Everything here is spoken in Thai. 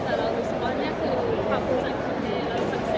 แต่เรารู้สึกว่านี่คือความผู้ชัยคนเนยเข้าสังเกต์แล้ว